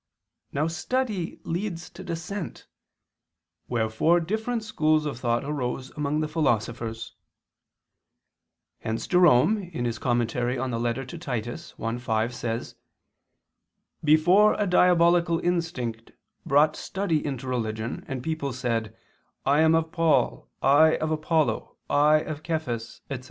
Now study leads to dissent: wherefore different schools of thought arose among the philosophers. Hence Jerome (Super Epist. ad Tit. 1:5) says: "Before a diabolical instinct brought study into religion, and people said: I am of Paul, I of Apollo, I of Cephas," etc.